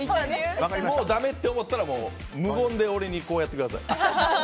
もうだめって思ったら無言で俺にこうやってください。